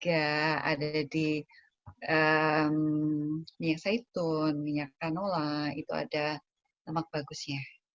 ada di minyak zaitun minyak kanola itu ada lemak bagusnya